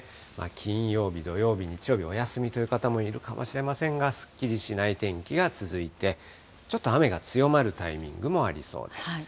金曜日、土曜日、日曜日、お休みという方もいるかもしれませんが、すっきりしない天気が続いて、ちょっと雨が強まるタイミングもありそうです。